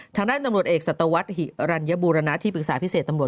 ทางด้านตำรวจเอกสัตวรรษหิรัญบูรณะที่ปรึกษาพิเศษตำรวจ